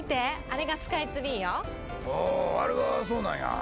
あれがそうなんや。